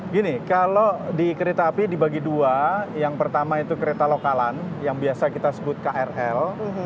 gini kalau di kereta api dibagi dua yang pertama itu kereta lokalan yang biasa kita sebut krl